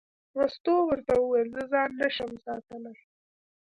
مستو ورته وویل: زه ځان نه شم ساتلی.